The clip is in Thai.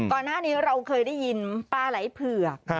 ก่อนหน้านี้เราเคยได้ยินปลาไหล่เผือก